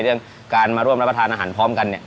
เรื่องการมาร่วมรับประทานอาหารพร้อมกันเนี่ย